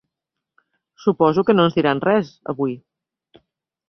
Suposo que no ens diran res, avui.